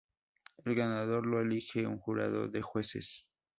El ganador lo elige un jurado de jueces.